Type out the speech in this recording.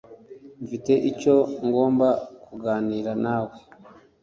Mfite icyo ngomba kuganira nawe.